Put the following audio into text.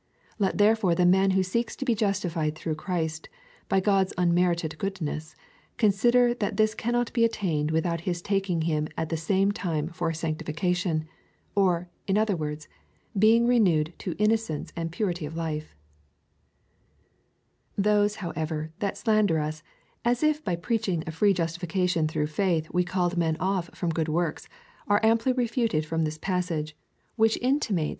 Let therefore the man who seeks to be justified through Christ, by God's un merited goodness, consider that this cannot be attained without his taking him at the same time for sanctification, or, in other words, being renewed to innocence and purity of life. Those, however, that slander us, as if by preaching a free justification through faith we called men ofi" from good works, are amply refuted from this passage, which intimates * The reader will find the same train of thought as above in the Insti tutes, vol. ii.